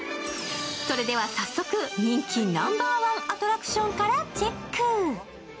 それでは早速、人気ナンバーワンアトラクションからチェック。